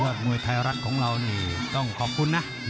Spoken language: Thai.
มวยไทยรัฐของเรานี่ต้องขอบคุณนะ